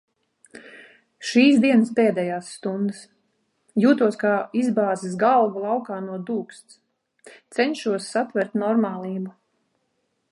Šīs dienas pēdējās stundas. Jūtos kā izbāzis galvu laukā no dūksts. Cenšos satvert normālību.